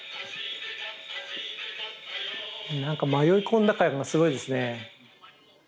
なんか迷い込んだ感がすごいですね。